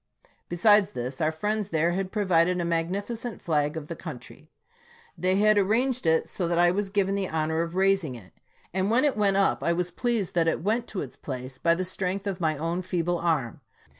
Besides this, our friends there had provided a mag nificent flag of the country. They had arranged it so SPKINGFIELD TO WASHINGTON 301 that I was given the honor of raising it. And when it chap.xix. went up, I was pleased that it went to its place by the strength of my own feeble arm.